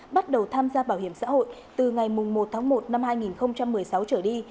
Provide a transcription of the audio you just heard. bắt đầu tham gia bảo hiểm xã hội từ ngày một một hai nghìn một mươi sáu trở đi